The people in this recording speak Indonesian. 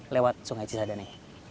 lewat sungai cisadane